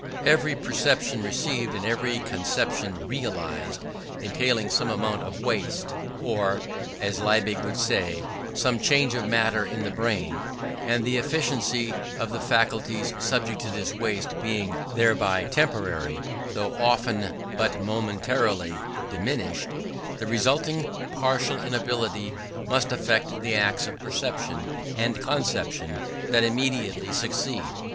Every perception received, and every conception realized, entailing some amount of waste or, as Liebig would say, some change of matter in the brain; and the efficiency of the faculties subject to this waste being thereby temporarily, though often but momentarily, diminished; the resulting partial inability must affect the acts of perception and conception that immediately succeed.